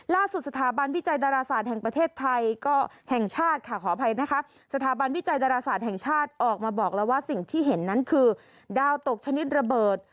สถาบันวิจัยดาราศาสตร์แห่งประเทศไทยก็แห่งชาติค่ะขออภัยนะคะสถาบันวิจัยดาราศาสตร์แห่งชาติออกมาบอกแล้วว่าสิ่งที่เห็นนั้นคือดาวตกชนิดระเบิด